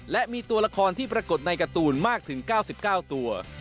และมีตัวละครที่ปรากฏในการ์ตูนมากถึง๙๙ตัว